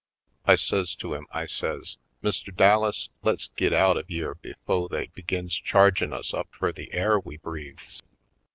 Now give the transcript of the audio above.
I says to him, I says : "Mr. Dallas, let's git out of yere befo' they begins chargin' us up fur the air we breathes!"